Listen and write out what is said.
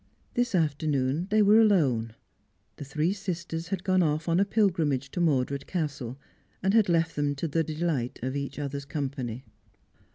This afternoon they were alone. The three sisters had gone off on a pilgrimage to Mordred Castle, and had left them to the delight of each other's company.